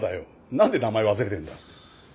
なんで名前忘れてんだ。